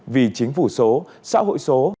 vì chính phủ số xã hội số